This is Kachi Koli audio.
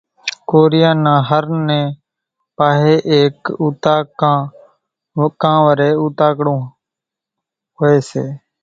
ڪورِيان نا هر نيَ پاۿيَ ايڪ اُوطاق ڪان وريَ اُوتاڪڙون هوئيَ سي۔